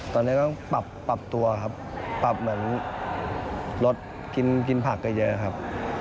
ตอนนี้ก็ต้องปรับตัวครับ